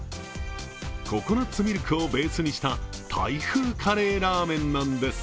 ココナツミルクをベースにしたタイ風カレーラーメンなんです。